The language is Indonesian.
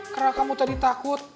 karena kamu tadi takut